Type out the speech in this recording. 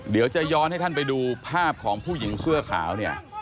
เดี๋ยวจะย้อนให้ท่านไปดูภาพของผู้หญิงเสื้อขาวเนี่ย